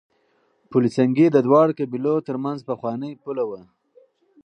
پل سنګي د دواړو قبيلو ترمنځ پخوانۍ پوله وه.